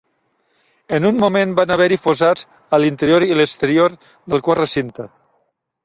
En un moment va haver-hi fossats a l'interior i l'exterior del quart recinte.